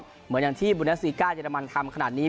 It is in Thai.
ปำฝึกซ้อมเหมือนยังที่บูนาสติโก้์ติเหยอรมันทำขนาดนี้